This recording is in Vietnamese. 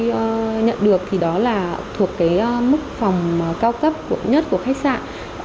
những hình ảnh mà chúng tôi nhận được thì đó là thuộc cái mức phòng cao cấp nhất của khách sạn